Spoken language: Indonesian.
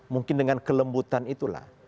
mungkin dengan kelembutan itulah